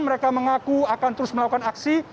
mereka mengaku akan terus melakukan aksi